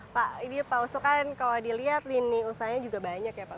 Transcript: pak ini pak oso kan kalau dilihat lini usahanya juga banyak ya pak